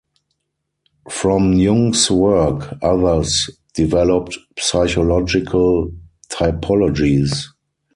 From Jung's work, others developed psychological typologies.